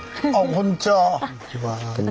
こんにちは。